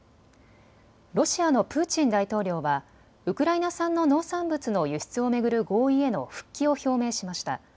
ロシアのプーチン大統領はウクライナ産の農産物の輸出を巡る合意への復帰を表明しました。